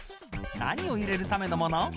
何を入れるためのもの。